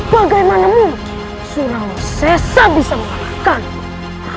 bagaimana mungkin surawesesa bisa mengalahkanmu